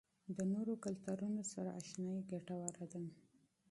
د نورو کلتورونو سره آشنايي ګټوره ده.